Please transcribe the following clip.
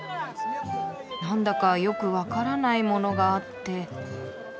なんだかよく分からないものがあって。